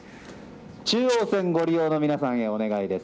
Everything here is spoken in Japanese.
中央線ご利用の皆さんへお願いです。